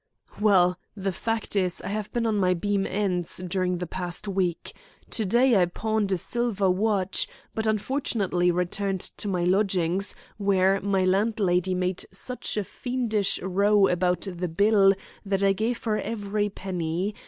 "Well, the fact is, I have been on my beam ends during the past week. To day I pawned a silver watch, but unfortunately returned to my lodgings, where my landlady made such a fiendish row about the bill that I gave her every penny.